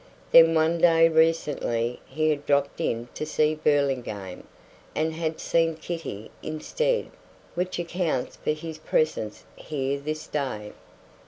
Then one day recently he had dropped in to see Burlingame and had seen Kitty instead; which accounts for his presence here this day.